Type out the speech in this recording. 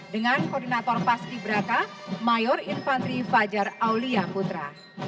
dengan koordinator pas ibraka mayor infantri fajar aulia putra